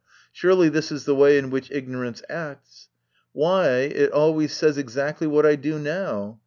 Surely this is the way in which ignorance acts. Why, it always says exactly what I do now